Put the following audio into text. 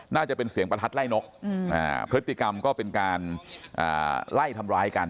น่าจะเป็นเสียงประทัดไล่นกพฤติกรรมก็เป็นการไล่ทำร้ายกัน